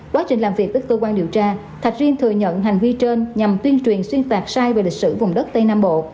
quá trình làm việc với cơ quan điều tra thạch riêng thừa nhận hành vi trên nhằm tuyên truyền xuyên tạc sai về lịch sử vùng đất tây nam bộ